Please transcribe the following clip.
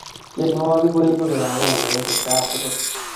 tienwokik koibu kipakenge eng kipkaa tukul